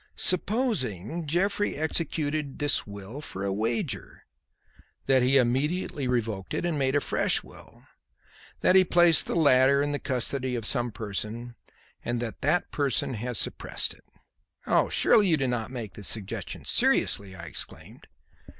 Supposing Jeffrey executed this will for a wager; that he immediately revoked it and made a fresh will, that he placed the latter in the custody of some person and that that person has suppressed it." "Surely you do not make this suggestion seriously!" I exclaimed.